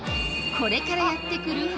これからやって来る冬